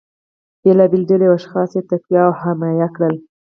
بیلابیلې ډلې او اشخاص یې تقویه او حمایه کړل